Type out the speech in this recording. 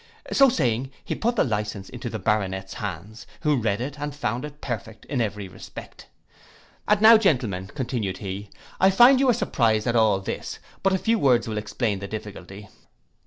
'—So saying, he put the licence into the Baronet's hands, who read it, and found it perfect in every respect. 'And now, gentlemen,' continued he, I find you are surprised at all this; but a few words will explain the difficulty.